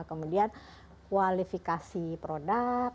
kemudian kualifikasi produk